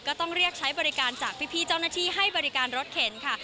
ก็ต้องเรียกใช้บริการจากพี่เจ้าหน้าที่ให้บริการรถเข็นค่ะ